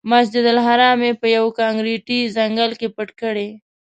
مسجدالحرام یې په یوه کانکریټي ځنګل کې پټ کړی.